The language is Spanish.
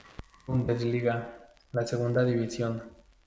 Bundesliga, la segunda división.